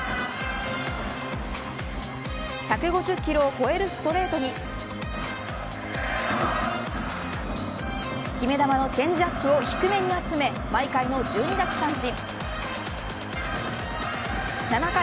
１５０キロを超えるストレートに決め球のチェンジアップを低めに集め毎回の１２奪三振。